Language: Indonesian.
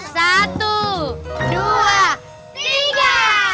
satu dua tiga